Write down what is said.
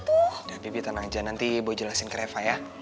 udah bibi tenang aja nanti boy jelasin ke refa ya